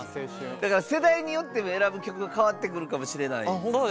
世代によっても選ぶ曲が変わってくるかもしれない。